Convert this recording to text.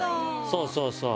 そうそうそう。